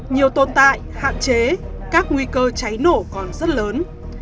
nhiều tồn tại hạn chế các nguy cơ cháy nổ còn rất lớn